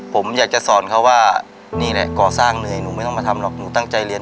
ผมอยากจะสอนเขาว่านี่แหละก่อสร้างเหนื่อยหนูไม่ต้องมาทำหรอกหนูตั้งใจเรียน